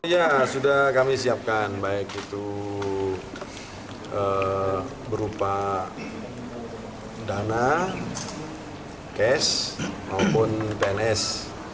ya sudah kami siapkan baik itu berupa dana cash maupun pns